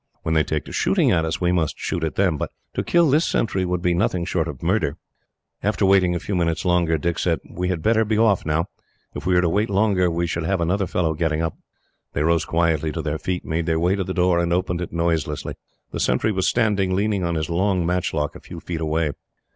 When they take to shooting at us, we must shoot at them; but to kill this sentry would be nothing short of murder." After waiting a few minutes longer, Dick said: "We had better be off, now. If we were to wait longer, we should have another fellow getting up." They rose quietly to their feet, made their way to the door, and opened it noiselessly. The sentry was standing, leaning on his long matchlock, a few feet away.